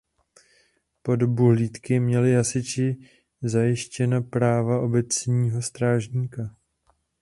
Po dobu hlídky měli hasiči zajištěna práva obecního strážníka.